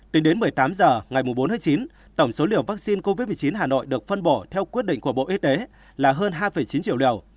tính đến một mươi tám h ngày bốn tháng chín tổng số liều vaccine covid một mươi chín hà nội được phân bổ theo quyết định của bộ y tế là hơn hai chín triệu liều